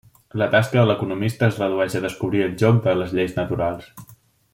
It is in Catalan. La tasca de l'economista es redueix a descobrir el joc de les lleis naturals.